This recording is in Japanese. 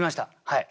はい。